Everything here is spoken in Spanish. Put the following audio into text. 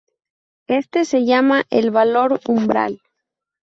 Éste se llama el valor umbral.